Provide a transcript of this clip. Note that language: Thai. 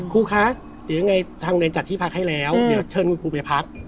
ครูคะทางเรียนจัดที่พักให้แล้วเดี๋ยวเชิญคุณครูไปพัก